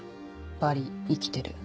バリ生きてる。